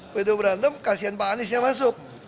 waktu berantem kasihan pak aniesnya masuk